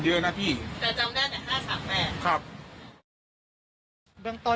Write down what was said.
เจ้าจำได้แต่๕๓๘ครับ